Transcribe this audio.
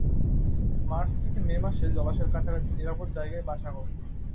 March থেকে May মাসে জলাশয়ের কাছাকাছি নিরাপদ জায়গায় বাসা করে।